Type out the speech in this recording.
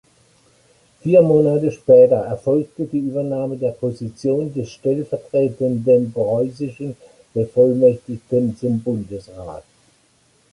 Vier Monate später erfolgte die Übernahme der Position des stellvertretenden preußischen Bevollmächtigten zum Bundesrat.